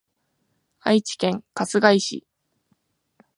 愛知県春日井市